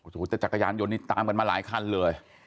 โอ้โหแต่จักรยานยนต์นี้ตามกันมาหลายคันเลย